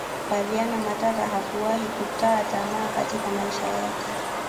flaviana matata hakuwahi kutaa tamaa katika maisha yake